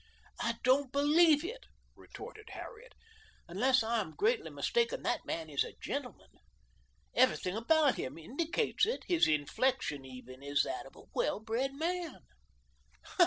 "I don't believe it," retorted Harriet. "Unless I am greatly mistaken, that man is a gentleman. Everything about him indicates it; his inflection even is that of a well bred man."